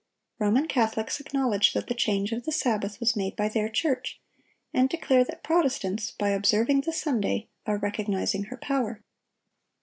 (756) Roman Catholics acknowledge that the change of the Sabbath was made by their church, and declare that Protestants, by observing the Sunday, are recognizing her power.